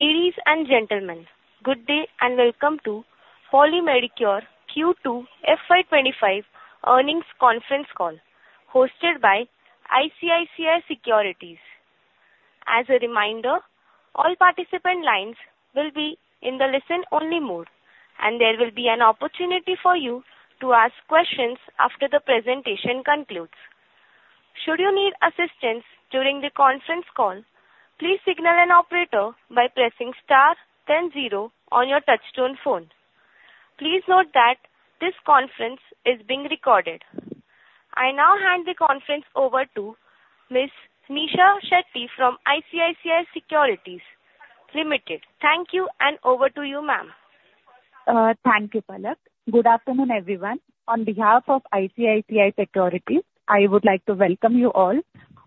Ladies and gentlemen, good day and welcome to Poly Medicure Q2 FY25 Earnings Conference Call, hosted by ICICI Securities. As a reminder, all participant lines will be in the listen-only mode, and there will be an opportunity for you to ask questions after the presentation concludes. Should you need assistance during the conference call, please signal an operator by pressing star then zero on your touchtone phone. Please note that this conference is being recorded. I now hand the conference over to Ms. Nisha Shetty from ICICI Securities Limited. Thank you, and over to you, ma'am. Thank you, Palak. Good afternoon, everyone. On behalf of ICICI Securities, I would like to welcome you all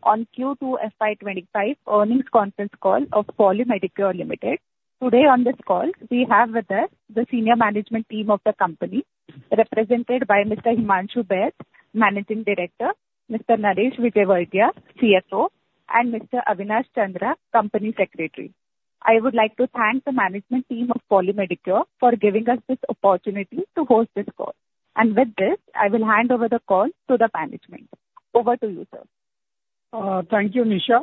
on Q2 FY25 Earnings Conference Call of Poly Medicure Limited. Today on this call, we have with us the senior management team of the company, represented by Mr. Himanshu Baid, Managing Director, Mr. Naresh Vijayvergiya, CFO, and Mr. Avinash Chandra, Company Secretary. I would like to thank the management team of Poly Medicure for giving us this opportunity to host this call. With this, I will hand over the call to the management. Over to you, sir. Thank you, Nisha.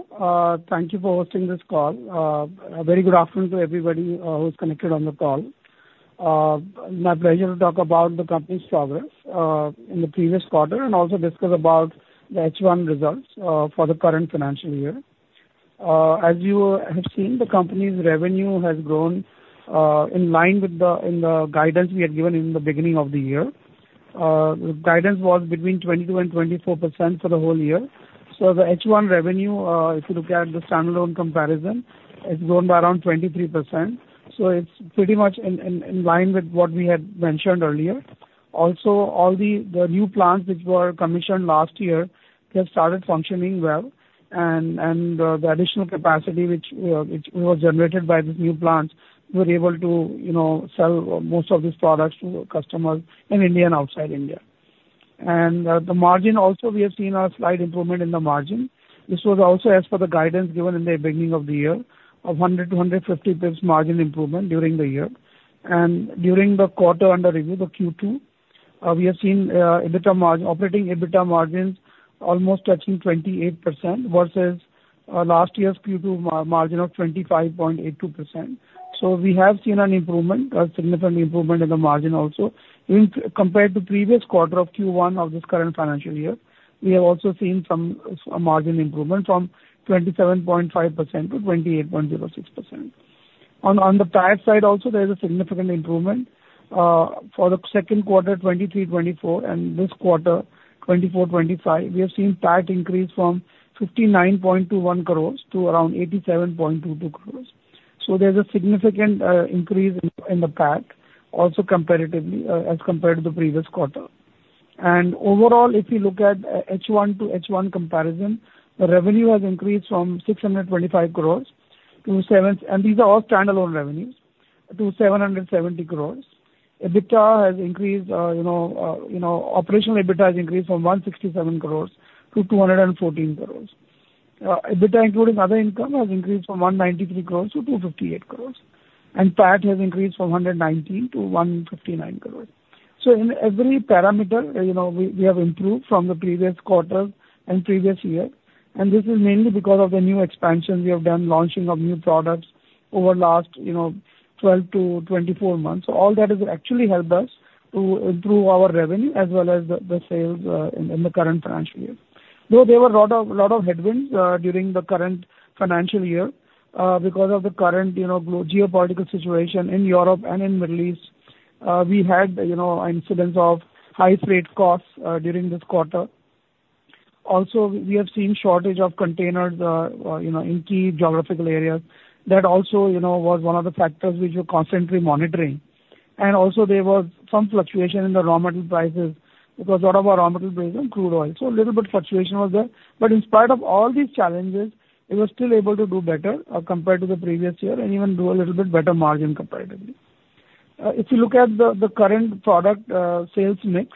Thank you for hosting this call. A very good afternoon to everybody who's connected on the call. My pleasure to talk about the company's progress in the previous quarter and also discuss about the H1 results for the current financial year. As you have seen, the company's revenue has grown in line with the guidance we had given in the beginning of the year. The guidance was between 22% and 24% for the whole year. So the H1 revenue, if you look at the standalone comparison, has grown by around 23%, so it's pretty much in line with what we had mentioned earlier. Also, all the new plants which were commissioned last year have started functioning well. The additional capacity which was generated by these new plants, we're able to, you know, sell most of these products to customers in India and outside India. The margin also, we have seen a slight improvement in the margin. This was also as per the guidance given in the beginning of the year, of 100 to 150 basis points margin improvement during the year. During the quarter under review, the Q2, we have seen EBITDA margin, operating EBITDA margins almost touching 28% versus last year's Q2 margin of 25.82%. So we have seen an improvement, a significant improvement in the margin also. In comparison to previous quarter of Q1 of this current financial year, we have also seen a margin improvement from 27.5% to 28.06%. On the PAT side also, there is a significant improvement. For the second quarter, 2023, 2024, and this quarter, 2024, 2025, we have seen PAT increase from 59.21 crores to around 87.22 crores. So there's a significant increase in the PAT also comparatively, as compared to the previous quarter. Overall, if you look at H1 to H1 comparison, the revenue has increased from 625 crores to seven -- and these are all standalone revenues, to 770 crores. EBITDA has increased, you know, you know, operational EBITDA has increased from 167 crores to 214 crores. EBITDA, including other income, has increased from 193 crores to 258 crores, and PAT has increased from 119 to 159 crores. So in every parameter, you know, we have improved from the previous quarter and previous year, and this is mainly because of the new expansion we have done, launching of new products over the last, you know, 12 to 24 months. So all that has actually helped us to improve our revenue as well as the sales in the current financial year. Though there were a lot of headwinds during the current financial year because of the current, you know, geopolitical situation in Europe and in Middle East, we had, you know, incidents of high freight costs during this quarter. Also, we have seen shortage of containers, you know, in key geographical areas. That also, you know, was one of the factors which we're constantly monitoring. And also there was some fluctuation in the raw material prices because lot of our raw material price is crude oil, so a little bit fluctuation was there. But in spite of all these challenges, we were still able to do better compared to the previous year and even do a little bit better margin comparatively. If you look at the current product sales mix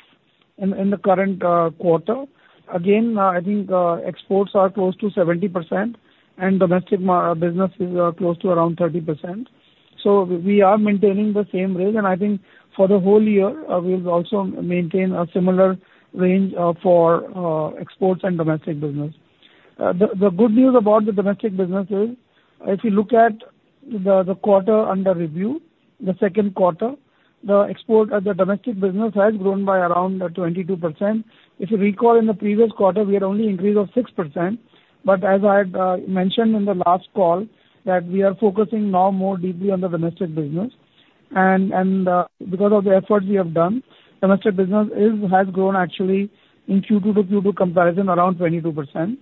in the current quarter, again, I think exports are close to 70% and domestic business is close to around 30%. So we are maintaining the same range, and I think for the whole year, we'll also maintain a similar range for exports and domestic business. The good news about the domestic business is, if you look at the quarter under review, the second quarter, the domestic business has grown by around 22%. If you recall, in the previous quarter, we had only increase of 6%, but as I had mentioned in the last call, that we are focusing now more deeply on the domestic business. Because of the efforts we have done, domestic business has grown actually in Q2 to Q2 comparison, around 22%.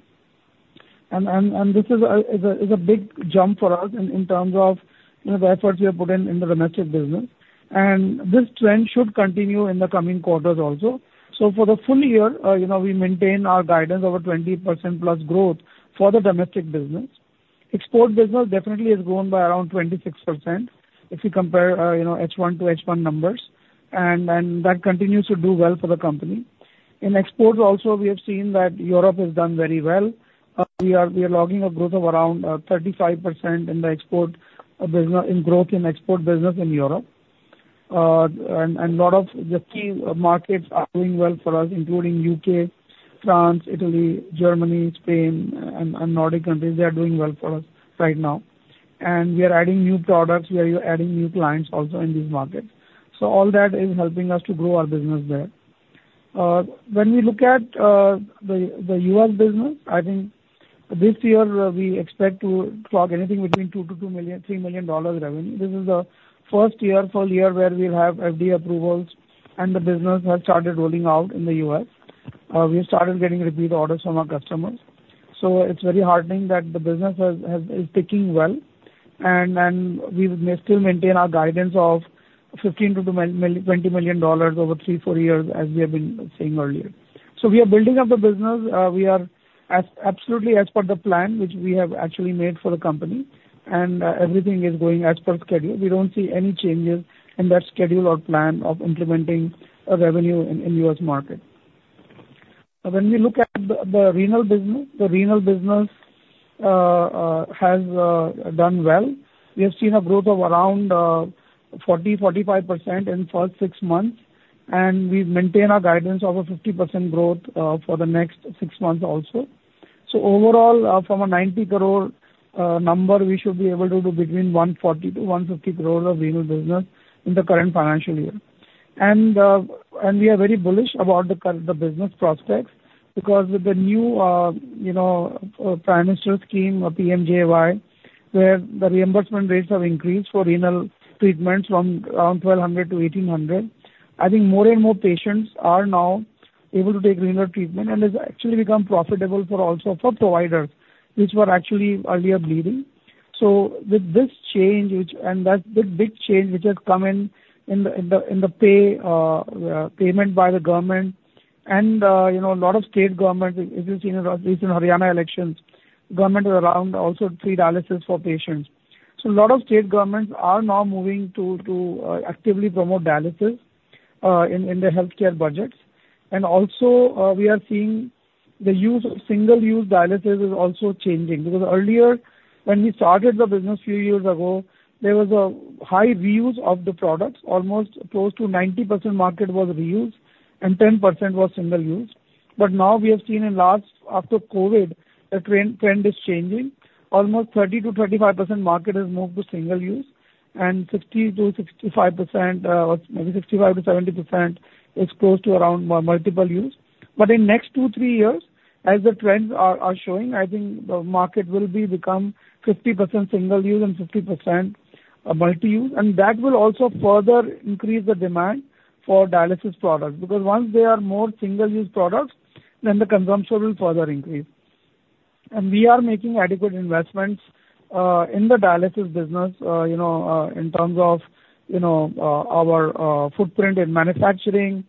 This is a big jump for us in terms of, you know, the efforts we have put in the domestic business, and this trend should continue in the coming quarters also. So for the full year, you know, we maintain our guidance of a 20% plus growth for the domestic business. Export business definitely has grown by around 26% if you compare H1 to H1 numbers, and that continues to do well for the company. In exports also, we have seen that Europe has done very well. We are logging a growth of around 35% in the export business, growth in export business in Europe. A lot of the key markets are doing well for us, including the U.K., France, Italy, Germany, Spain, and Nordic countries. They are doing well for us right now. We are adding new products. We are adding new clients also in these markets. All that is helping us to grow our business there. When we look at the U.S. business, I think this year we expect to clock anything between $2-$3 million revenue. This is the first full year where we have FDA approvals, and the business has started rolling out in the U.S. We started getting repeat orders from our customers, so it's very heartening that the business is ticking well, and we will still maintain our guidance of $15-20 million over three to four years, as we have been saying earlier. We are building up the business. We are absolutely as per the plan, which we have actually made for the company, and everything is going as per schedule. We don't see any changes in that schedule or plan of implementing revenue in the U.S. market. When we look at the renal business, it has done well. We have seen a growth of around 40-45% in first six months, and we've maintained our guidance of 50% growth for the next six months also. So overall, from a 90 crore number, we should be able to do between 140 to 150 crore of renal business in the current financial year. And we are very bullish about the business prospects, because with the new, you know, prime minister scheme, or PMJY, where the reimbursement rates have increased for renal treatments from around 1,200 to 1,800, I think more and more patients are now able to take renal treatment, and it's actually become profitable for providers, which were actually earlier bleeding. So with this change, which and that, the big change which has come in, in the payment by the government and, you know, a lot of state government, if you've seen recent Haryana elections, government is around also free dialysis for patients. A lot of state governments are now moving to actively promote dialysis in the healthcare budgets. And also, we are seeing the use of single-use dialysis is also changing. Because earlier, when we started the business few years ago, there was a high reuse of the products. Almost close to 90% market was reused and 10% was single use. But now we have seen in last, after COVID, the trend is changing. Almost 30%-35% market has moved to single use, and 60%-65%, or maybe 65%-70% is close to around multiple use. But in next two, three years, as the trends are showing, I think the market will become 50% single use and 50% multi-use. That will also further increase the demand for dialysis products, because once they are more single-use products, then the consumption will further increase. We are making adequate investments in the dialysis business, you know, in terms of, you know, our footprint in manufacturing,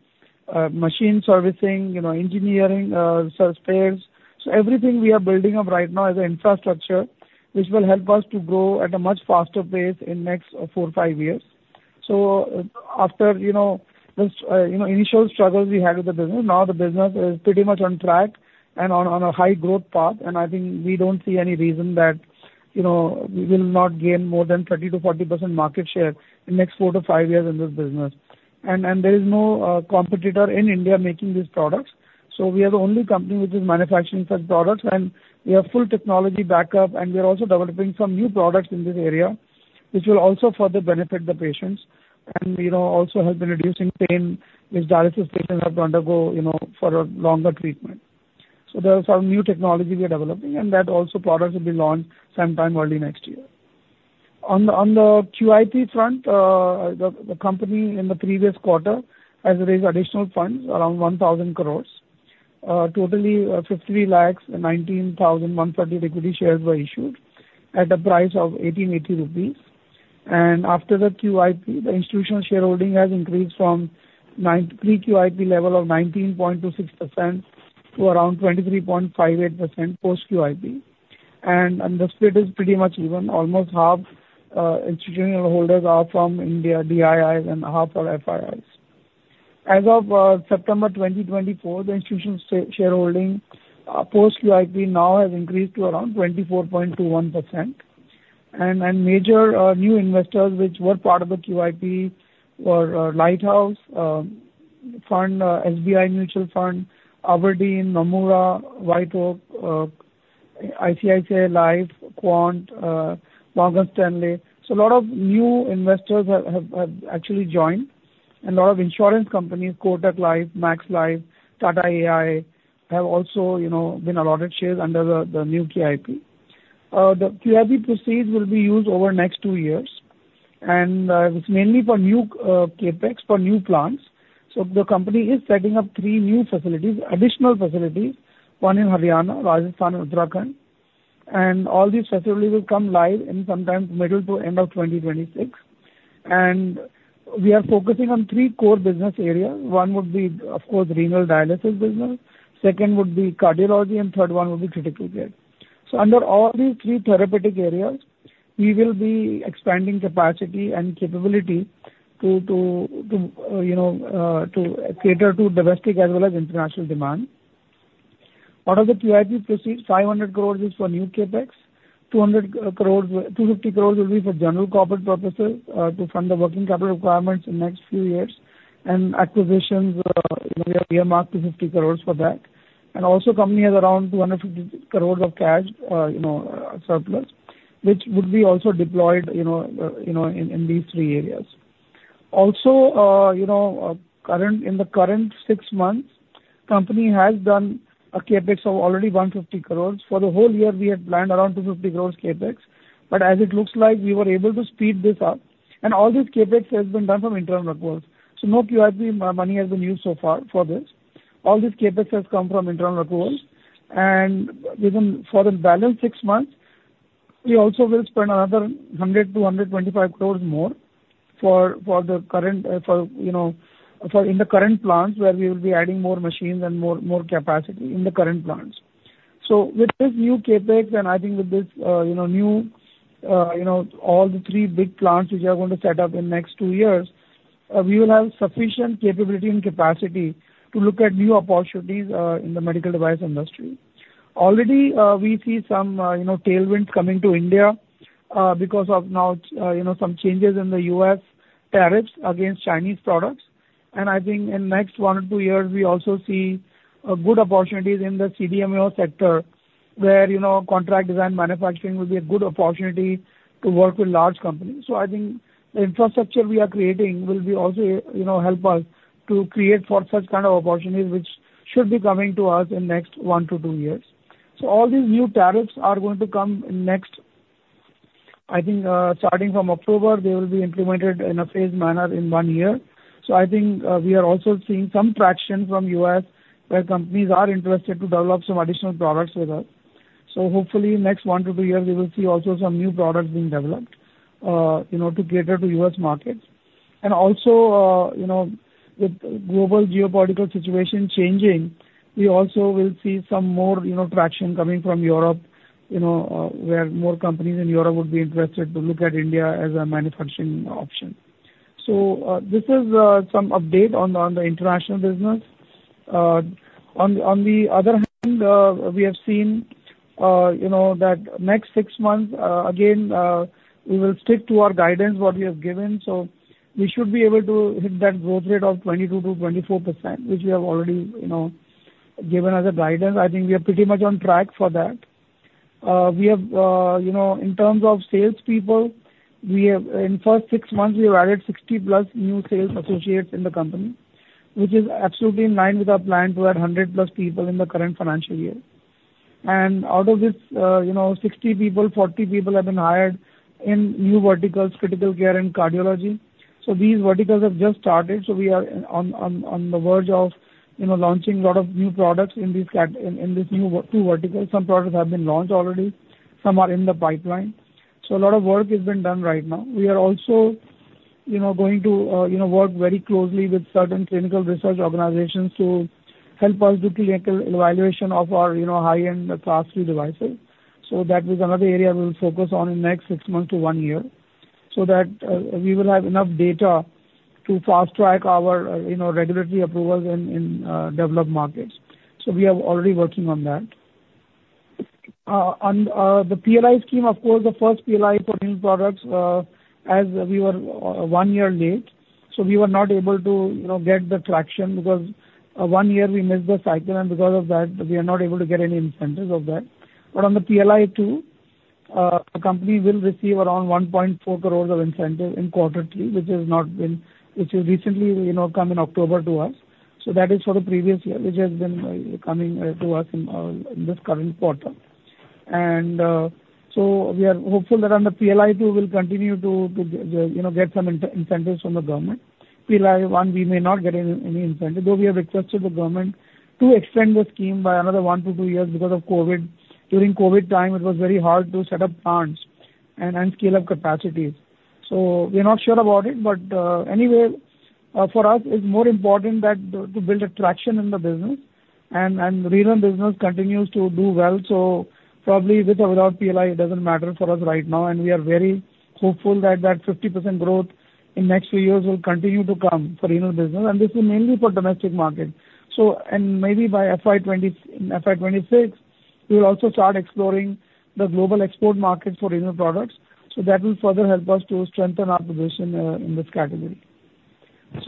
machine servicing, you know, engineering, service spares. Everything we are building up right now as an infrastructure, which will help us to grow at a much faster pace in next four, five years. After, you know, this, you know, initial struggles we had with the business, now the business is pretty much on track and on a high growth path. I think we don't see any reason that, you know, we will not gain more than 30%-40% market share in next four to five years in this business. There is no competitor in India making these products. So we are the only company which is manufacturing such products, and we have full technology backup, and we are also developing some new products in this area, which will also further benefit the patients, and, you know, also help in reducing pain, which dialysis patients have to undergo, you know, for a longer treatment. So there are some new technology we are developing, and that also products will be launched sometime early next year. On the QIP front, the company in the previous quarter has raised additional funds, around 1,000 crores. Totally, 53 lakhs and 19,000 130 equity shares were issued at a price of 1,880 rupees. After the QIP, the institutional shareholding has increased from pre-QIP level of 19.26% to around 23.58% post-QIP. And the split is pretty much even. Almost half, institutional holders are from India, DIIs, and half are FIIs. As of September 2024, the institutional shareholding post-QIP now has increased to around 24.21%. And major new investors, which were part of the QIP, were Lighthouse Fund, SBI Mutual Fund, Aberdeen, Nomura, White Oak, ICICI Life, Quant, Morgan Stanley. So a lot of new investors have actually joined, and a lot of insurance companies, Kotak Life, Max Life, Tata AI, have also, you know, been allotted shares under the new QIP. The QIP proceeds will be used over next two years, and it's mainly for new CapEx, for new plants. So the company is setting up three new facilities, additional facilities, one in Haryana, Rajasthan, Uttarakhand. And all these facilities will come live in sometime middle to end of 2026. And we are focusing on three core business areas. One would be, of course, renal dialysis business, second would be cardiology, and third one would be critical care. So under all these three therapeutic areas we will be expanding capacity and capability to you know to cater to domestic as well as international demand. Out of the QIP proceeds, 500 crores is for new CapEx, 250 crores will be for general corporate purposes, to fund the working capital requirements in next few years, and acquisitions, we have earmarked 50 crores for that. Also, company has around 250 crores of cash, you know, surplus, which would be also deployed, you know, in these three areas. Also, you know, in the current six months, company has done a CapEx of already 150 crores. For the whole year, we had planned around 250 crores CapEx. As it looks like, we were able to speed this up, and all this CapEx has been done from internal resources. No QIP money has been used so far for this. All this CapEx has come from internal accruals, and for the balance six months, we also will spend another 100-125 crores more for the current plants, where we will be adding more machines and more capacity in the current plants. So with this new CapEx, and I think with this, you know, new, you know, all the three big plants which we are going to set up in next two years, we will have sufficient capability and capacity to look at new opportunities in the medical device industry. Already, we see some, you know, tailwinds coming to India, because of now, you know, some changes in the U.S. tariffs against Chinese products. And I think in next one or two years, we also see good opportunities in the CDMO sector, where, you know, contract design manufacturing will be a good opportunity to work with large companies. So I think the infrastructure we are creating will be also, you know, help us to create for such kind of opportunities, which should be coming to us in next one to two years. So all these new tariffs are going to come in next, I think, starting from October, they will be implemented in a phased manner in one year. So I think we are also seeing some traction from U.S., where companies are interested to develop some additional products with us. So hopefully, next one to two years, we will see also some new products being developed, you know, to cater to U.S. markets. Also, you know, with the global geopolitical situation changing, we also will see some more, you know, traction coming from Europe, you know, where more companies in Europe would be interested to look at India as a manufacturing option. So, this is some update on the international business. On the other hand, we have seen, you know, that next six months again, we will stick to our guidance, what we have given. So we should be able to hit that growth rate of 22%-24%, which we have already, you know, given as a guidance. I think we are pretty much on track for that. We have, you know, in terms of sales people, we have in first six months, we have added 60-plus new sales associates in the company, which is absolutely in line with our plan to add 100-plus people in the current financial year. Out of this, you know, 60 people, 40 people have been hired in new verticals, critical care and cardiology. These verticals have just started, so we are on the verge of, you know, launching a lot of new products in these in these new two verticals. Some products have been launched already, some are in the pipeline. A lot of work is being done right now. We are also, you know, going to, you know, work very closely with certain clinical research organizations to help us to conduct evaluation of our, you know, high-end Class III devices. That is another area we'll focus on in the next six months to one year, so that we will have enough data to fast-track our, you know, regulatory approvals in, in, developed markets. So we are already working on that. On the PLI scheme, of course, the first PLI for these products, as we were one year late, so we were not able to, you know, get the traction because one year we missed the cycle, and because of that, we are not able to get any incentives of that. But on the PLI 2, the company will receive around 1.4 crores of incentive quarterly, which has not been... which has recently, you know, come in October to us. So that is for the previous year, which has been coming to us in this current quarter. And so we are hopeful that on the PLI 2, we'll continue to you know get some incentives from the government. PLI 1, we may not get any incentive, though we have requested the government to extend the scheme by another one to two years because of COVID. During COVID time, it was very hard to set up plants and scale up capacities. So we are not sure about it, but anyway, for us, it's more important to build traction in the business, and renal business continues to do well. So probably with or without PLI, it doesn't matter for us right now, and we are very hopeful that that 50% growth in next few years will continue to come for renal business, and this is mainly for domestic market. And maybe by FY26, we'll also start exploring the global export market for renal products. So that will further help us to strengthen our position in this category. These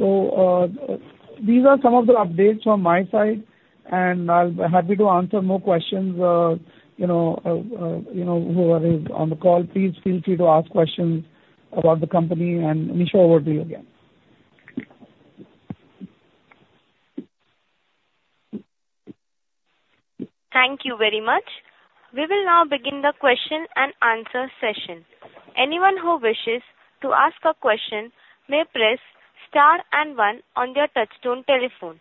are some of the updates from my side, and I'll be happy to answer more questions. You know, whoever is on the call, please feel free to ask questions about the company, and Nisha, over to you again. Thank you very much. We will now begin the question and answer session. Anyone who wishes to ask a question may press star and one on their touchtone telephone.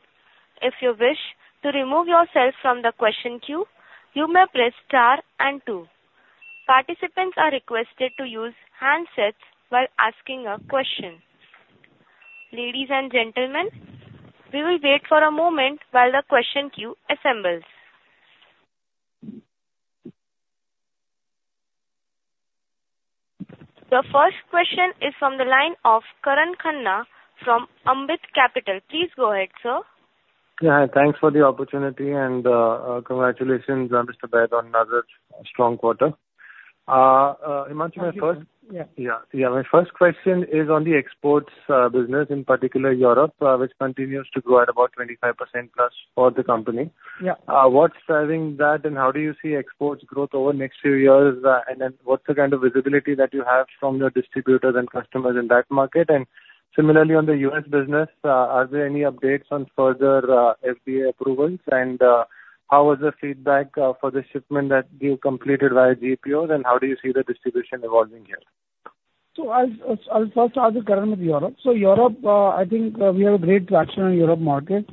If you wish to remove yourself from the question queue, you may press star and two. Participants are requested to use handsets while asking a question... Ladies and gentlemen, we will wait for a moment while the question queue assembles. The first question is from the line of Karan Khanna from Ambit Capital. Please go ahead, sir. Yeah, thanks for the opportunity, and, congratulations, Mr. Baid, on another strong quarter. Himanshu, my first- Yeah. Yeah, yeah. My first question is on the exports business, in particular Europe, which continues to grow at about 25% plus for the company. Yeah. What's driving that, and how do you see exports growth over the next few years? And then what's the kind of visibility that you have from your distributors and customers in that market? And similarly, on the US business, are there any updates on further FDA approvals? And, how was the feedback for the shipment that you completed via GPOs, and how do you see the distribution evolving here? So I'll start with Karan with Europe. So Europe, I think we have great traction in Europe market.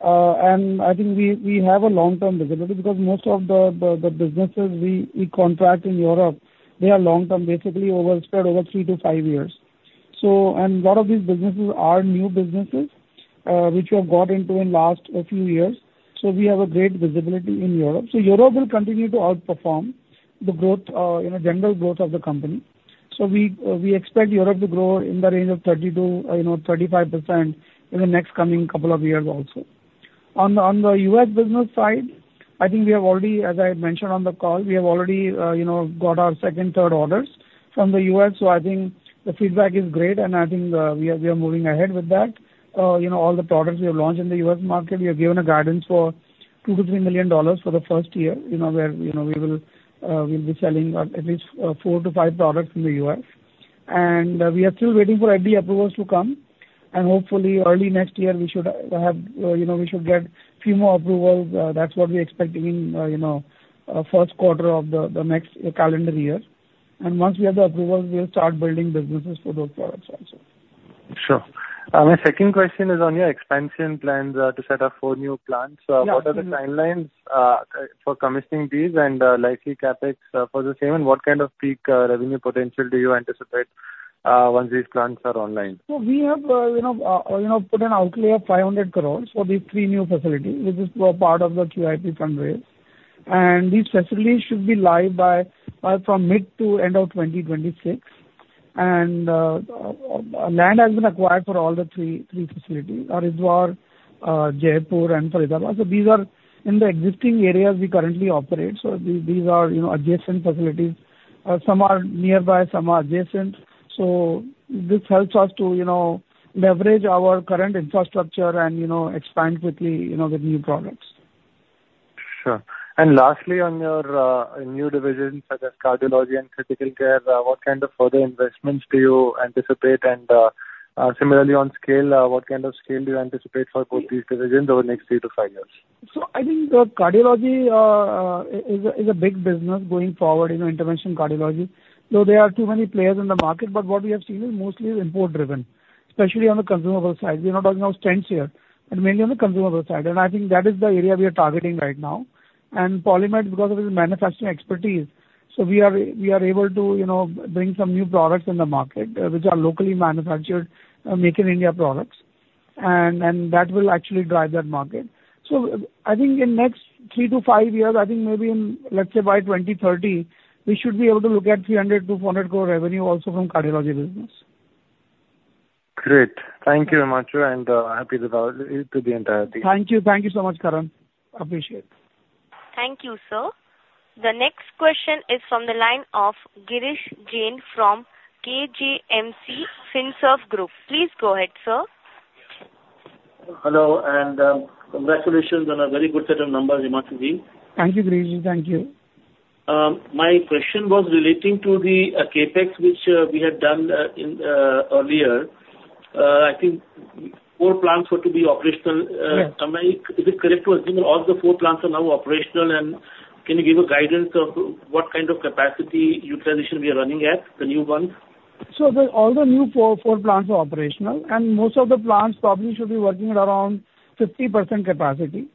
And I think we have long-term visibility because most of the businesses we contract in Europe, they are long-term, basically spread over three to five years. And a lot of these businesses are new businesses, which we have got into in last few years. So we have great visibility in Europe. So Europe will continue to outperform the growth, you know, general growth of the company. So we expect Europe to grow in the range of 30% to, you know, 35% in the next coming couple of years also. On the US business side, I think we have already, as I had mentioned on the call, we have already, you know, got our second, third orders from the US. So I think the feedback is great, and I think we are moving ahead with that. You know, all the products we have launched in the US market, we have given a guidance for $2 million-$3 million for the first year, you know, where, you know, we will, we'll be selling at least four to five products in the US. And we are still waiting for FDA approvals to come, and hopefully early next year, we should have, you know, we should get few more approvals. That's what we're expecting in, you know, first quarter of the next calendar year. Once we have the approvals, we'll start building businesses for those products also. Sure. My second question is on your expansion plans to set up four new plants. Yeah. What are the timelines for commissioning these and likely CapEx for the same? And what kind of peak revenue potential do you anticipate once these plants are online? So we have, you know, you know, put an outlay of 500 crores for these three new facilities, which is part of the QIP fundraise. And these facilities should be live by from mid to end of 2026. And land has been acquired for all the three facilities, Haridwar, Jaipur and Faridabad. So these are in the existing areas we currently operate, so these are, you know, adjacent facilities. Some are nearby, some are adjacent. So this helps us to, you know, leverage our current infrastructure and, you know, expand quickly, you know, with new products. Sure. And lastly, on your new divisions, such as cardiology and critical care, what kind of further investments do you anticipate? And, similarly, on scale, what kind of scale do you anticipate for both these divisions over the next three to five years? I think the cardiology is a big business going forward, you know, intervention cardiology, though there are too many players in the market, but what we have seen is mostly import driven, especially on the consumable side. We're not talking about stents here, but mainly on the consumable side. And I think that is the area we are targeting right now. And PolyMed, because of its manufacturing expertise, so we are able to, you know, bring some new products in the market, which are locally manufactured, Made in India products, and that will actually drive that market. So I think in next three to five years, I think maybe in, let's say, by 2030, we should be able to look at 300-400 crore revenue also from cardiology business. Great. Thank you very much, and happy to talk to the entire team. Thank you. Thank you so much, Karan. Appreciate it. Thank you, sir. The next question is from the line of Girish Jain from KJMC Finserv Group. Please go ahead, sir. Hello, and, congratulations on a very good set of numbers, Himanshu Ji. Thank you, Girish. Thank you. My question was relating to the CapEx, which we had done earlier. I think four plants were to be operational. Yes. Is it correct to assume that all the four plants are now operational, and can you give a guidance of what kind of capacity utilization we are running at, the new ones? All the new four plants are operational, and most of the plants probably should be working at around 50% capacity.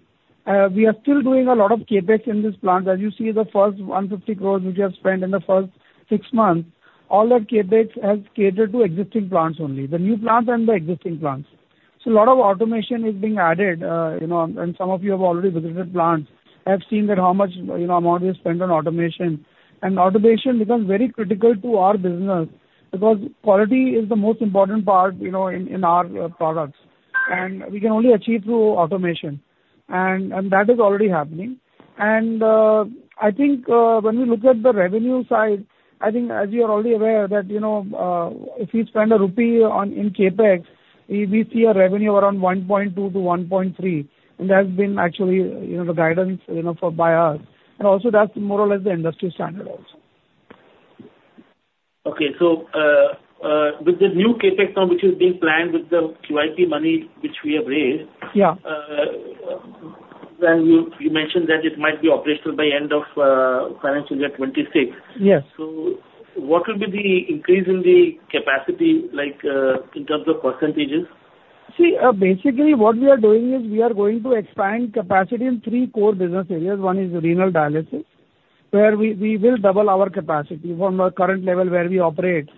We are still doing a lot of CapEx in this plant. As you see, the first 150 crores, which we have spent in the first six months, all that CapEx has catered to existing plants only, the new plants and the existing plants. A lot of automation is being added, you know, and some of you have already visited plants, have seen that how much, you know, amount we spend on automation. Automation becomes very critical to our business because quality is the most important part, you know, in our products, and we can only achieve through automation, and that is already happening. I think, when we look at the revenue side, I think, as you are already aware, that, you know, if we spend INR 1 on CapEx, we see a revenue around 1.2-1.3, and that's been actually, you know, the guidance, you know, for by us, and also that's more or less the industry standard also. Okay, so, with the new CapEx now, which is being planned with the QIP money, which we have raised- Yeah. Then you mentioned that it might be operational by end of financial year 2026. Yes. What will be the increase in the capacity, like, in terms of percentages? See, basically what we are doing is we are going to expand capacity in three core business areas. One is renal dialysis, where we will double our capacity from our current level where we operate.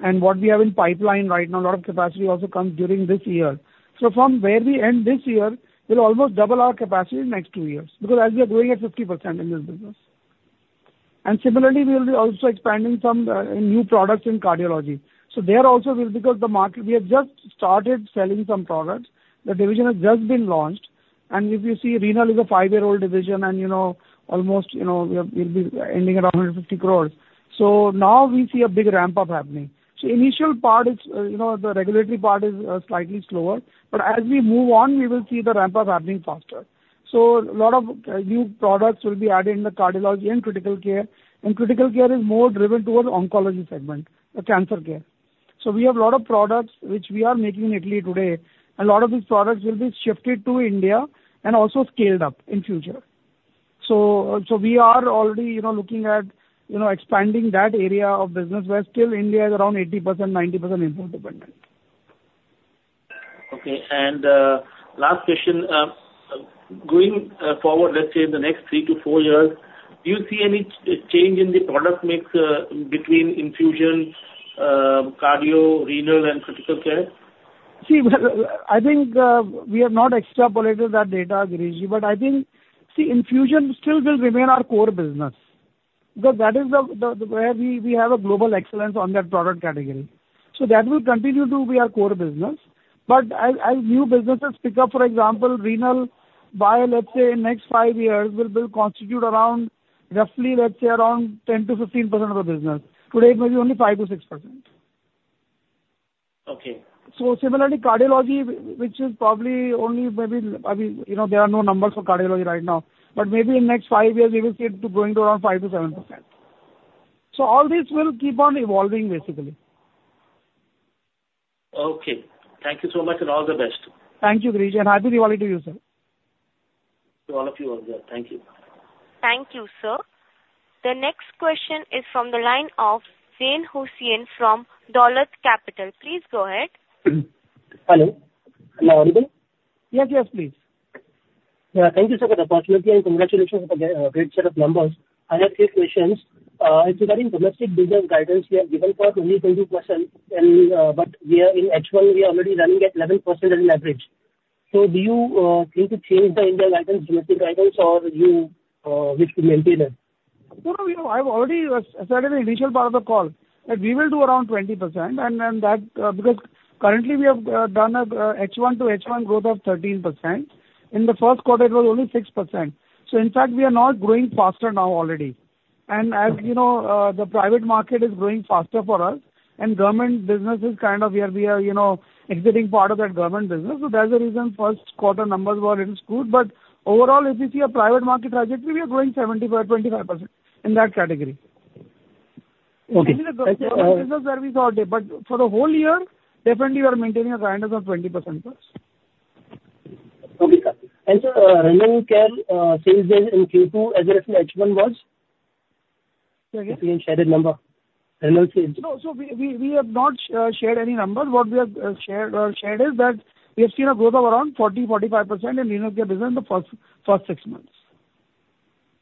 And what we have in pipeline right now, a lot of capacity also comes during this year. So from where we end this year, we'll almost double our capacity in the next two years, because as we are growing at 50% in this business. And similarly, we will be also expanding some new products in cardiology. So there also will, because the market, we have just started selling some products. The division has just been launched, and if you see renal is a five-year-old division and, you know, almost, you know, we'll be ending around 50 crores. So now we see a big ramp up happening. So initial part is, you know, the regulatory part is slightly slower, but as we move on, we will see the ramp up happening faster. So a lot of new products will be added in the cardiology and critical care, and critical care is more driven towards oncology segment, the cancer care. So we have a lot of products which we are making in Italy today, a lot of these products will be shifted to India and also scaled up in future. So we are already, you know, looking at, you know, expanding that area of business where still India is around 80%, 90% import dependent. Okay, and last question. Going forward, let's say in the next three to four years, do you see any change in the product mix between infusions, cardio, renal and critical care? See, I think we have not extrapolated that data, Giriji, but I think see, infusion still will remain our core business, because that is the where we have a global excellence on that product category. So that will continue to be our core business. But as new businesses pick up, for example, renal, by, let's say, in next five years, will constitute around, roughly, let's say, around 10-15% of the business. Today, it may be only 5-6%. Okay. So similarly, cardiology, which is probably only maybe. I mean, you know, there are no numbers for cardiology right now, but maybe in next five years we will see it to growing to around 5%-7%. So all this will keep on evolving, basically. Okay, thank you so much, and all the best. Thank you, Girish, and Happy Diwali to you, sir. To all of you as well. Thank you. Thank you, sir. The next question is from the line of Zain Hussain from Dolat Capital. Please go ahead. Hello. Am I audible? Yes, yes, please. Thank you, sir, for the opportunity, and congratulations on the great set of numbers. I have three questions. Regarding domestic business guidance, you have given for only 20% and, but we are in H1, we are already running at 11% in average. So do you think to change the India guidance, domestic guidance, or do you wish to maintain it? No, no, we have... I've already said in the initial part of the call, that we will do around 20%, and that, because currently we have done a H1 to H1 growth of 13%. In the first quarter, it was only 6%. So in fact, we are now growing faster now already. And as you know, the private market is growing faster for us, and government business is kind of where we are, you know, exiting part of that government business. So that's the reason first quarter numbers were a little screwed. But overall, if you see a private market trajectory, we are growing 75-25% in that category. Okay. But for the whole year, definitely we are maintaining a guidance of 20% plus. Okay, sir. And, sir, renal care, sales in Q2 as against H1 was? Say again. If you had shared a number, renal care. No, so we have not shared any numbers. What we have shared is that we have seen a growth of around 40%-45% in renal care business in the first six months.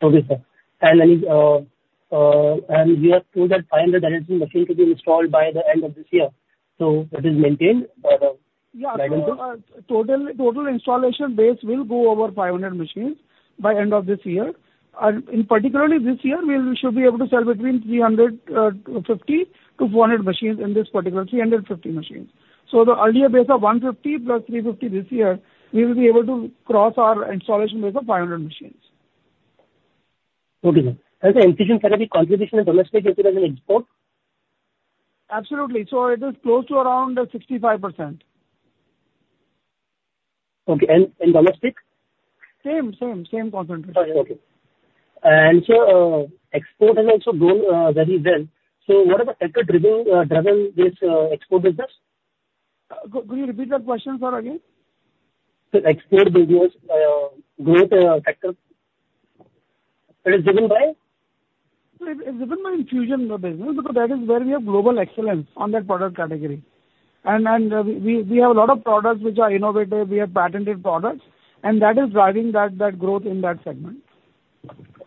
Okay, sir. We are told that five hundred dialysis machine to be installed by the end of this year, so that is maintained by the- Yeah. Guidance, sir? Total installed base will go over 500 machines by the end of this year. In particular this year, we should be able to sell between 350-400 machines in this particular year, 350 machines. The earlier base of 150 plus 350 this year, we will be able to cross our installed base of 500 machines. Okay, sir. And the infusion category contribution in domestic as well as in export? Absolutely. So it is close to around 65%. Okay, and domestic? Same, same, same concentration. Okay. And so, export has also grown very well. So what are the factor driving this export business? Could you repeat that question, sir, again? The export business, growth, factor, it is driven by? It's driven by infusion business, because that is where we have global excellence on that product category. And we have a lot of products which are innovative, we have patented products, and that is driving that growth in that segment. Okay,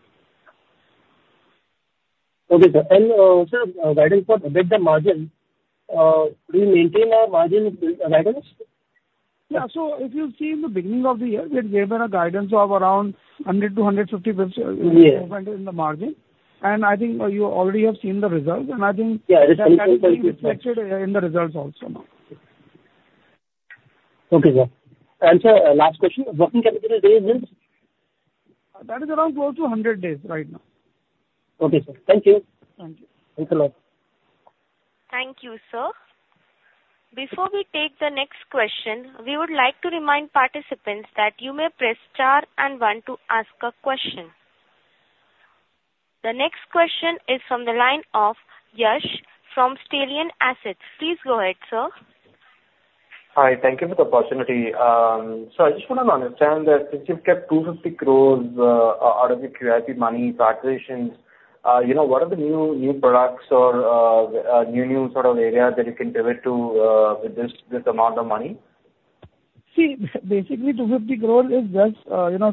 sir. And, sir, guidance for, with the margin, do you maintain a margin guidance? Yeah. So if you see in the beginning of the year, we had given a guidance of around 100 to 150 basis points. Yeah... in the margin, and I think you already have seen the results, and I think- Yeah... that has been reflected in the results also now. Okay, sir and sir, last question, working capital days is? That is around close to hundred days right now. Okay, sir. Thank you. Thank you. Thanks a lot. Thank you, sir. Before we take the next question, we would like to remind participants that you may press star and one to ask a question. The next question is from the line of Yash from Sterling Assets. Please go ahead, sir. Hi, thank you for the opportunity. So I just wanted to understand that since you've kept 250 crores out of your QIP money for acquisitions, you know, what are the new products or new sort of areas that you can pivot to with this amount of money?... See, basically, 250 crore is just, you know,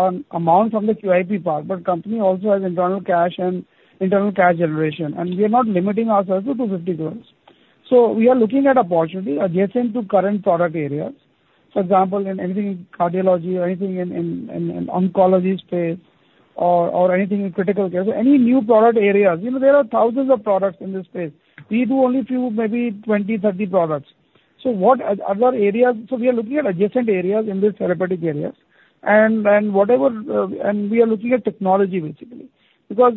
an amount from the QIP part, but company also has internal cash and internal cash generation, and we are not limiting ourselves to 250 crores. So we are looking at opportunity adjacent to current product areas. For example, in anything cardiology or anything in oncology space or anything in critical care. So any new product areas, you know, there are thousands of products in this space. We do only few, maybe 20, 30 products. So what are other areas? So we are looking at adjacent areas in these therapeutic areas, and whatever, and we are looking at technology basically. Because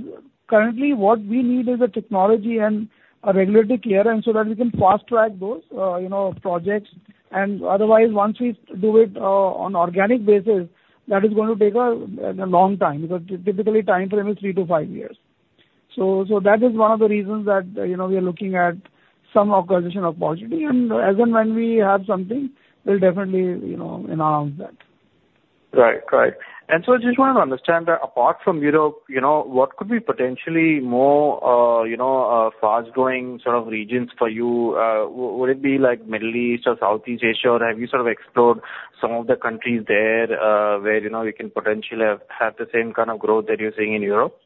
currently, what we need is a technology and a regulatory clearance so that we can fast-track those, you know, projects. Otherwise, once we do it on organic basis, that is going to take a long time, because typically timeframe is three to five years. So that is one of the reasons that, you know, we are looking at some acquisition opportunity, and as and when we have something, we'll definitely, you know, announce that. Right. Correct. And so I just want to understand that apart from Europe, you know, what could be potentially more, you know, fast-growing sort of regions for you? Would it be like Middle East or Southeast Asia, or have you sort of explored some of the countries there, where, you know, you can potentially have the same kind of growth that you're seeing in Europe?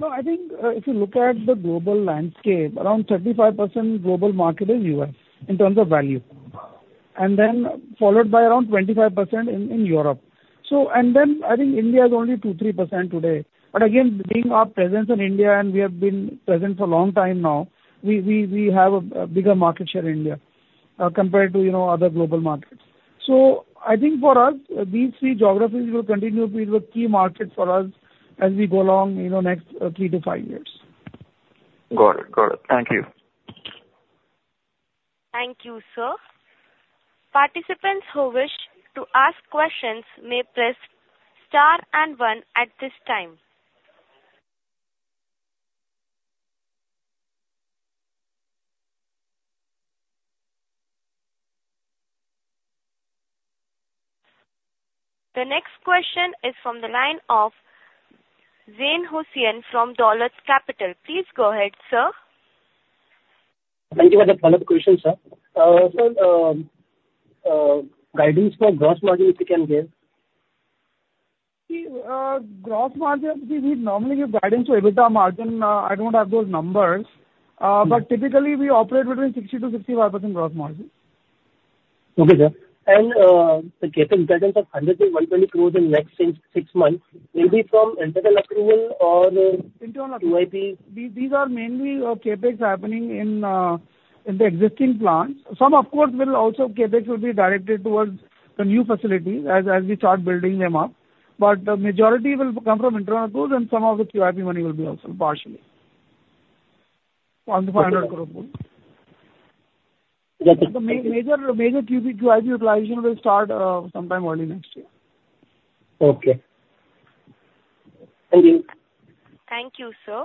No, I think if you look at the global landscape, around 35% global market is U.S. in terms of value, and then followed by around 25% in Europe. So and then I think India is only 2-3% today. But again, being our presence in India, and we have been present for a long time now, we have a bigger market share in India compared to, you know, other global markets. So I think for us, these three geographies will continue to be the key market for us as we go along, you know, next three to five years. Got it. Got it. Thank you. Thank you, sir. Participants who wish to ask questions may press star and one at this time. The next question is from the line of Zain Hussain from Dolat Capital. Please go ahead, sir. Thank you for the follow-up question, sir. Sir, guidance for gross margin, if you can give? See, gross margin, we normally give guidance with the margin. I don't have those numbers. Mm. But typically, we operate between 60% to 65% gross margin. Okay, sir. And, the CapEx guidance of 100-120 crores in next six months will be from internal approval or- Internal -QIP? These are mainly CapEx happening in the existing plants. Some of course will also CapEx will be directed towards the new facilities as we start building them up, but the majority will come from internal pools and some of the QIP money will be also partially on the 500 crore pool. Got you. The major QIP utilization will start sometime early next year. Okay. Thank you. Thank you, sir.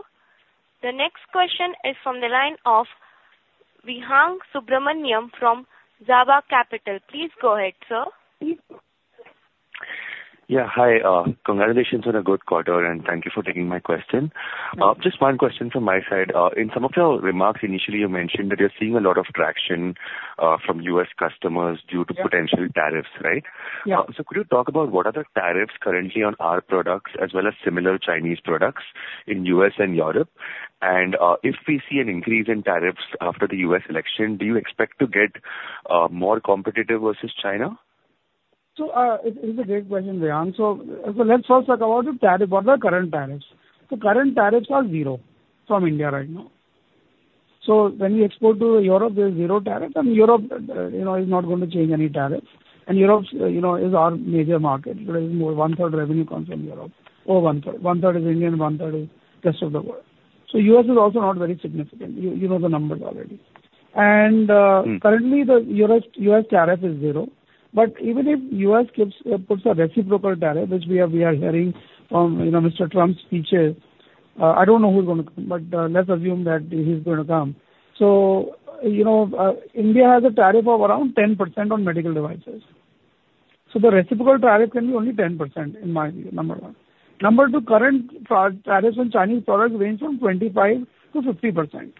The next question is from the line of Vihang Subramaniam from Java Capital. Please go ahead, sir. Yeah, hi, congratulations on a good quarter, and thank you for taking my question. Welcome. Just one question from my side. In some of your remarks, initially you mentioned that you're seeing a lot of traction from U.S. customers due to- Yeah. potential tariffs, right? Yeah. So could you talk about what are the tariffs currently on our products, as well as similar Chinese products in U.S. and Europe? And, if we see an increase in tariffs after the U.S. election, do you expect to get more competitive versus China? So, it's a great question, Vihang. So let's first talk about the tariff, what are the current tariffs? The current tariffs are zero from India right now. So when we export to Europe, there's zero tariff, and Europe, you know, is not going to change any tariff. And Europe, you know, is our major market. More than one-third revenue comes from Europe, over one-third. One-third is Indian, one-third is rest of the world. So US is also not very significant. You know the numbers already. And Mm. Currently the U.S. tariff is zero. But even if U.S. keeps, puts a reciprocal tariff, which we are hearing from, you know, Mr. Trump's speeches, I don't know who's gonna come, but, let's assume that he's gonna come. So, you know, India has a tariff of around 10% on medical devices. So the reciprocal tariff can be only 10%, in my view, number one. Number two, current tariffs on Chinese products range from 25%-50%.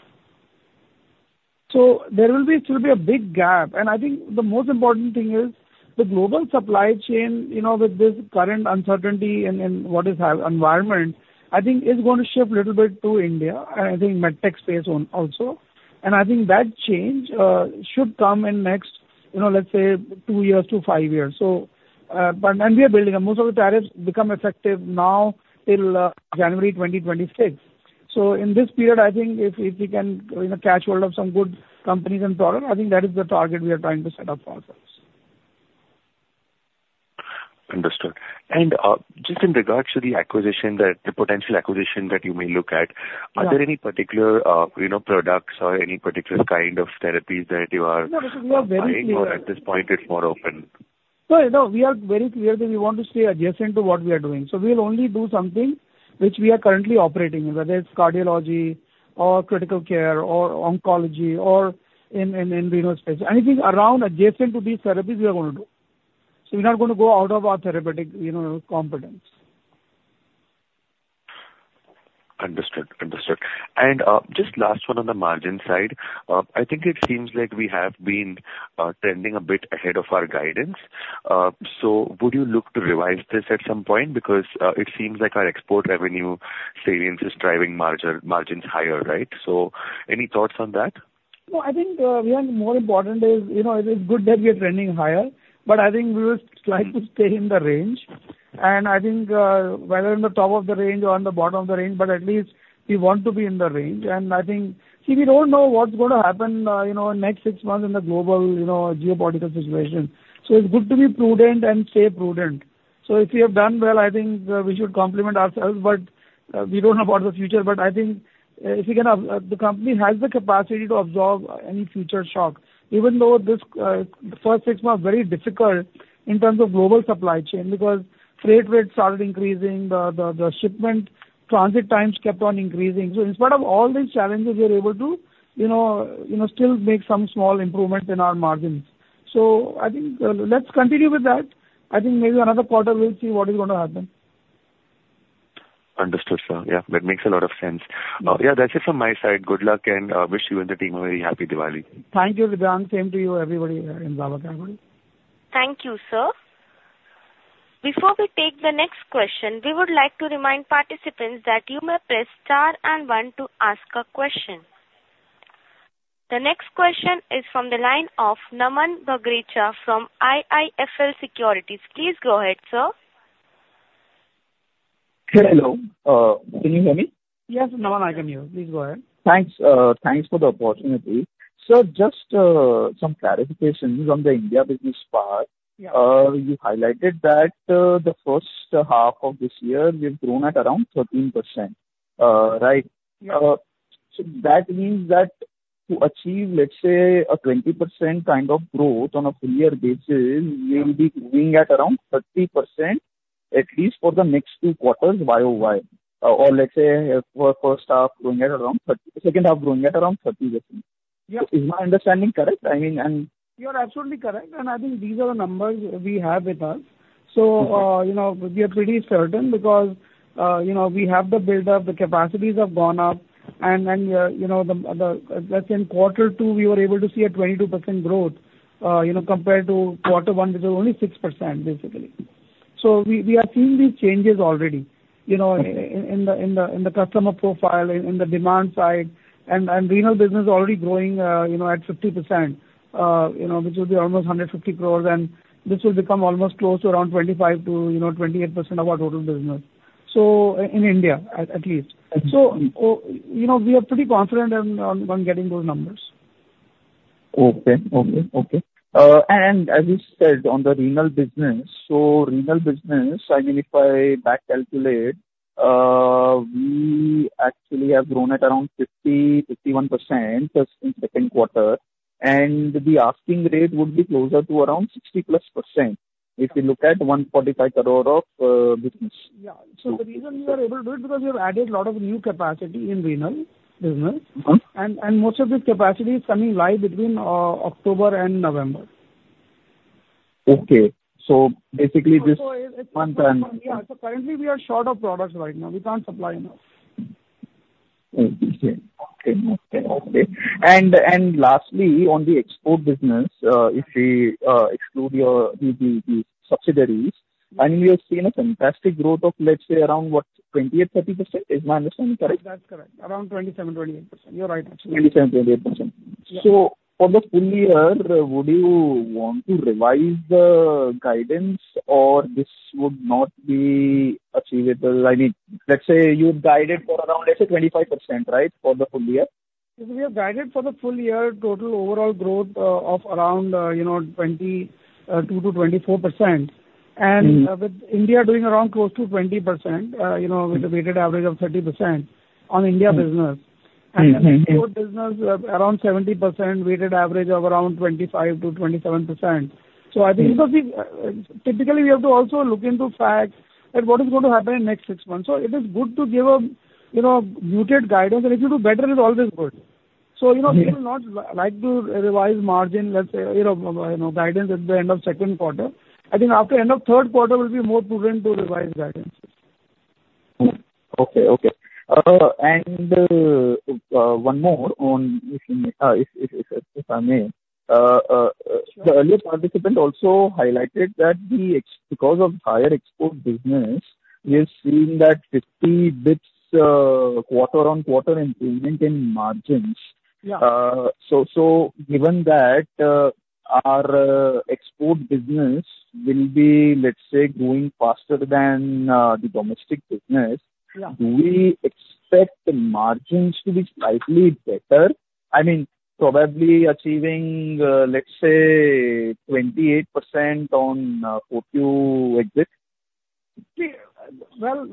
So there will still be a big gap. And I think the most important thing is the global supply chain, you know, with this current uncertainty and what is our environment, I think is going to shift a little bit to India, and I think med tech space on also. I think that change should come in next, you know, let's say two years to five years. So, but... We are building, and most of the tariffs become effective now till January 2026. So in this period, I think if we can, you know, catch hold of some good companies and product, I think that is the target we are trying to set up for ourselves. Understood. And, just in regards to the acquisition that, the potential acquisition that you may look at- Yeah. Are there any particular, you know, products or any particular kind of therapies that you are No, because we are very clear. or at this point it's more open? No, no, we are very clear that we want to stay adjacent to what we are doing. So we'll only do something which we are currently operating in, whether it's cardiology or critical care or oncology or in renal space. Anything around adjacent to these therapies, we are going to do. So we're not going to go out of our therapeutic, you know, competence.... And, just last one on the margin side. I think it seems like we have been, trending a bit ahead of our guidance. So would you look to revise this at some point? Because, it seems like our export revenue savings is driving margins higher, right? So any thoughts on that? No, I think, Vihang, more important is, you know, it is good that we are trending higher, but I think we would like to stay in the range. And I think, whether on the top of the range or on the bottom of the range, but at least we want to be in the range. And I think, see, we don't know what's gonna happen, you know, in next six months in the global, you know, geopolitical situation. So it's good to be prudent and stay prudent. So if we have done well, I think, we should compliment ourselves, but, we don't know about the future. But I think if we can, the company has the capacity to absorb any future shock, even though this first six months very difficult in terms of global supply chain, because freight rates started increasing, the shipment transit times kept on increasing. So in spite of all these challenges, we are able to, you know, still make some small improvements in our margins. So I think, let's continue with that. I think maybe another quarter we'll see what is gonna happen. Understood, sir. Yeah, that makes a lot of sense. Yeah, that's it from my side. Good luck, and wish you and the team a very happy Diwali! Thank you, Vihang. Same to you, everybody in Baba family. Thank you, sir. Before we take the next question, we would like to remind participants that you may press Star and One to ask a question. The next question is from the line of Naman Bagrecha from IIFL Securities. Please go ahead, sir. Hello. Can you hear me? Yes, Naman, I can hear you. Please go ahead. Thanks, thanks for the opportunity. Sir, just some clarifications on the India business part. Yeah. You highlighted that the first half of this year, we've grown at around 13%. Right? Yeah. So that means that to achieve, let's say, a 20% kind of growth on a full year basis, we will be growing at around 30%, at least for the next two quarters Y-o-Y. Or, let's say, for first half, growing at around 30%... Second half, growing at around 30%. Yeah. Is my understanding correct? I mean, You are absolutely correct, and I think these are the numbers we have with us. So, you know, we are pretty certain because, you know, we have the build-up, the capacities have gone up, and, you know, the, let's say in quarter two, we were able to see a 22% growth, you know, compared to quarter one, which was only 6%, basically. So we are seeing these changes already, you know, in the customer profile, in the demand side. And renal business is already growing, you know, at 50%, you know, which will be almost 150 crores, and this will become almost close to around 25%-28% of our total business, so, in India, at least. You know, we are pretty confident in getting those numbers. Okay. Okay, okay. And as you said, on the renal business, so renal business, I mean, if I back calculate, we actually have grown at around 50-51% just in second quarter, and the CAGR would be closer to around 60+%, if you look at 145 crore of business. Yeah, so the reason we are able to do it, because we have added a lot of new capacity in renal business. Mm-hmm. Most of this capacity is coming live between October and November. Okay, so basically this- So it... One time. Yeah, so currently we are short of products right now. We can't supply enough. Okay. And lastly, on the export business, if we exclude the subsidiaries, I mean, we have seen a fantastic growth of, let's say, around, what? 28%-30%. Is my understanding correct? That's correct. Around 27-28%. You're right, actually. 27%-28%. Yeah. So for the full year, would you want to revise the guidance, or this would not be achievable? I mean, let's say you guided for around, let's say, 25%, right, for the full year? We have guided for the full year total overall growth of around, you know, 22%-24%. Mm. And with India doing around close to 20%, you know, with a weighted average of 30% on India business. Mm-hmm. Export business around 70%, weighted average of around 25%-27%. Mm. So I think, we typically have to also look into facts, like what is going to happen in next six months. So it is good to give a, you know, muted guidance, and if you do better, it is always good. Mm. So, you know, we will not like to revise margin, let's say, you know, guidance at the end of second quarter. I think after end of third quarter, we'll be more prudent to revise guidance. Mm-hmm. Okay, okay. And one more, if I may. The earlier participant also highlighted that because of higher export business, we are seeing 50 basis points quarter on quarter improvement in margins. Yeah. So given that, our export business will be, let's say, growing faster than the domestic business- Yeah... do we expect the margins to be slightly better? I mean, probably achieving, let's say, 28% on OPU exits? See, well,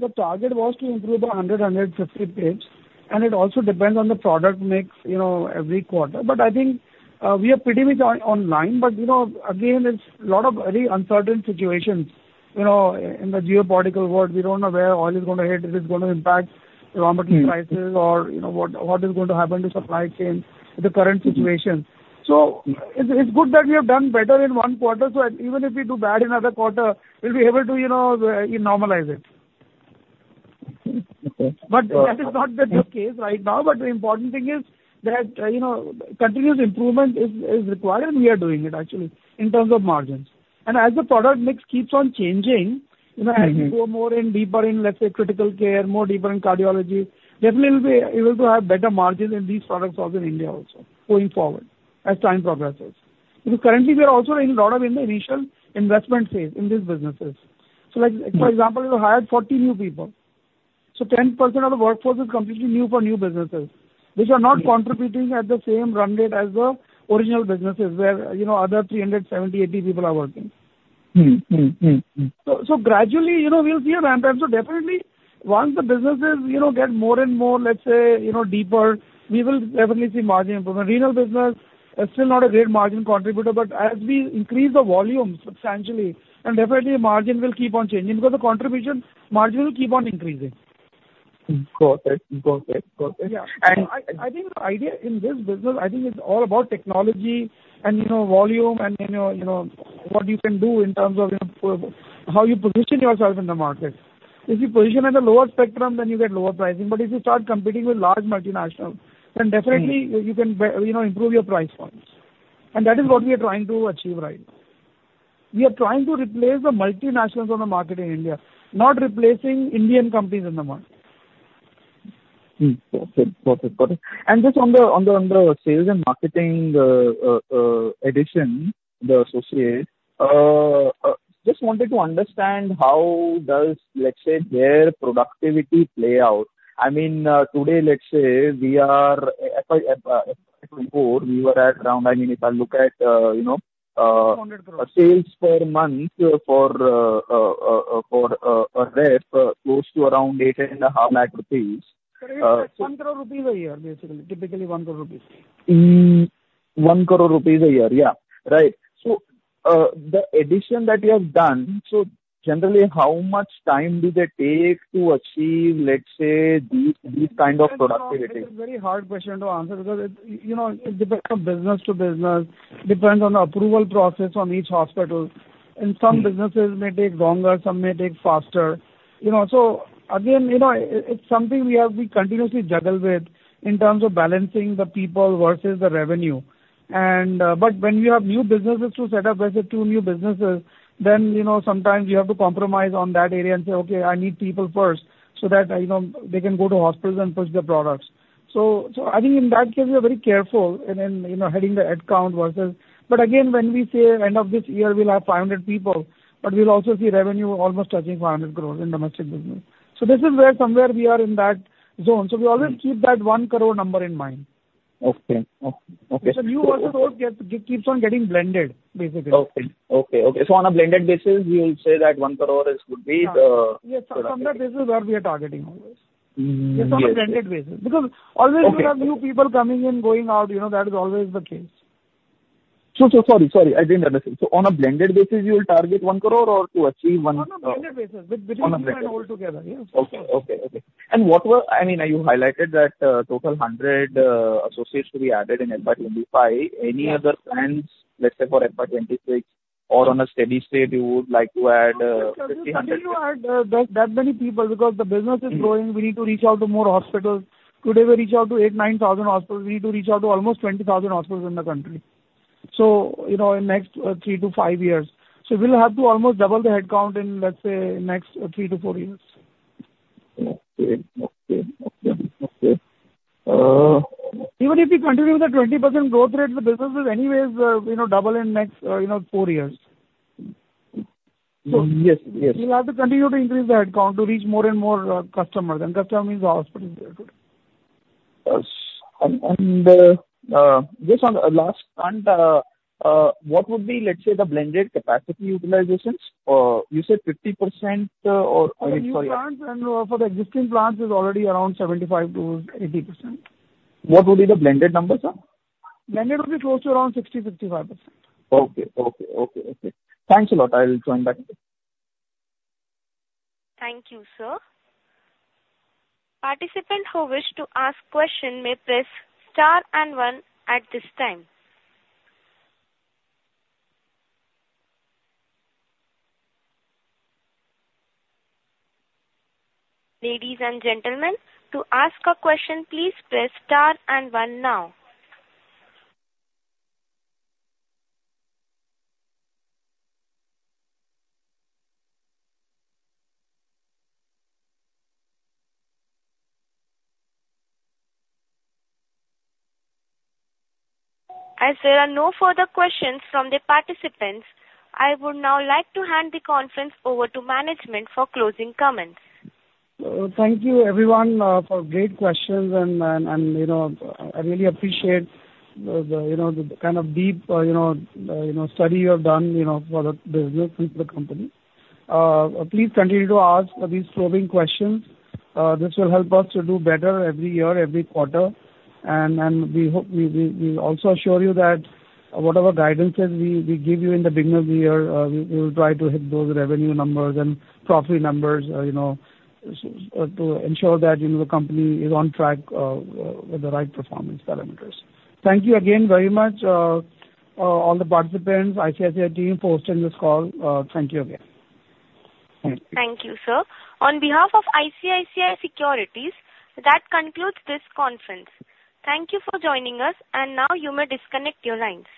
the target was to improve by 150 basis points, and it also depends on the product mix, you know, every quarter. But I think we are pretty much on line. But, you know, again, it's a lot of very uncertain situations, you know, in the geopolitical world. We don't know where oil is gonna hit, is it gonna impact raw material prices- Mm... or, you know, what, what is going to happen to supply chain, the current situation? Mm. So it's good that we have done better in one quarter, so even if we do bad in other quarter, we'll be able to, you know, normalize it. But that is not the case right now. But the important thing is that, you know, continuous improvement is required, and we are doing it actually, in terms of margins. And as the product mix keeps on changing, you know. Mm-hmm. As we go more and deeper in, let's say, critical care, more deeper in cardiology, definitely we'll be able to have better margins in these products also in India also going forward, as time progresses. Because currently we are also in a lot of the initial investment phase in these businesses. So like, for example, we hired 40 new people, so 10% of the workforce is completely new for new businesses, which are not contributing at the same run rate as the original businesses where, you know, other 370-80 people are working. Mm, mm, mm, mm. So gradually, you know, we'll see a ramp-up. So definitely, once the businesses, you know, get more and more, let's say, you know, deeper, we will definitely see margin improvement. Renal business is still not a great margin contributor, but as we increase the volume substantially, and definitely the margin will keep on changing because the contribution margin will keep on increasing. Got it. Yeah. And I think the idea in this business, I think it's all about technology and, you know, volume and, you know, what you can do in terms of, you know, how you position yourself in the market. If you position at a lower spectrum, then you get lower pricing. But if you start competing with large multinationals, then definitely- Mm. You can, you know, improve your price points, and that is what we are trying to achieve right now. We are trying to replace the multinationals on the market in India, not replacing Indian companies in the market. Got it. And just on the sales and marketing addition, the associates, just wanted to understand how does, let's say, their productivity play out? I mean, today, let's say we are at four, we were at around... I mean, if I look at, you know, Hundred crores. sales per month for a rep, close to around 850,000 rupees. One crore rupees a year, basically. Typically, one crore rupees. One crore rupees a year. Yeah, right. So, the addition that you have done, so generally, how much time do they take to achieve, let's say, these kind of productivity? It's a very hard question to answer because it, you know, it depends from business to business, depends on the approval process on each hospital. Mm. And some businesses may take longer, some may take faster. You know, so again, you know, it's something we have to continuously juggle with in terms of balancing the people versus the revenue. But when we have new businesses to set up, let's say two new businesses, then, you know, sometimes you have to compromise on that area and say, "Okay, I need people first," so that, you know, they can go to hospitals and push the products. So I think in that case, we are very careful in, you know, hitting the headcount versus... But again, when we say end of this year, we'll have 500 people, but we'll also see revenue almost touching 500 crores in domestic business. So this is where somewhere we are in that zone. Mm. So we always keep that one crore number in mind. Okay. O-okay. So new versus old keeps on getting blended, basically. Okay, so on a blended basis, we will say that one crore is, would be the- Yeah. From that basis, what we are targeting always. Mm, yes. It's on a blended basis. Okay. Because always you have new people coming in, going out, you know, that is always the case. So sorry, I didn't understand. So on a blended basis, you will target one crore or to achieve one- On a blended basis- On a blended- With the new and old together, yeah. Okay, okay, okay. And what were... I mean, you highlighted that, total hundred associates to be added in FY twenty-five. Any other plans, let's say, for FY twenty-six or on a steady state, you would like to add, fifty, hundred people? We need to add that many people because the business is growing- Mm. We need to reach out to more hospitals. Today, we reach out to eight, nine thousand hospitals. We need to reach out to almost twenty thousand hospitals in the country, so, you know, in next three to five years. So we'll have to almost double the headcount in, let's say, next three to four years. Okay. Even if we continue with the 20% growth rate, the business is anyways, you know, double in next, you know, four years. Mm. Yes, yes. We'll have to continue to increase the headcount to reach more and more customers, and customer means hospitals there too. Yes. And just on the last point, what would be, let's say, the blended capacity utilizations? You said 50%, or... I mean, sorry. For new plants and for the existing plants, is already around 75%-80%. What would be the blended number, sir? Blended will be close to around 60-65%. Okay. Thanks a lot. I will join back. Thank you, sir. Participants who wish to ask a question may press Star and one at this time. Ladies and gentlemen, to ask a question, please press Star and one now. As there are no further questions from the participants, I would now like to hand the conference over to management for closing comments. Thank you, everyone, for great questions and, you know, I really appreciate the kind of deep study you have done, you know, for the business and for the company. Please continue to ask these probing questions. This will help us to do better every year, every quarter. We hope we also assure you that whatever guidances we give you in the beginning of the year, we will try to hit those revenue numbers and profit numbers, you know, to ensure that, you know, the company is on track with the right performance parameters. Thank you again very much, all the participants, ICICI team for hosting this call. Thank you again. Thank you, sir. On behalf of ICICI Securities, that concludes this conference. Thank you for joining us, and now you may disconnect your lines.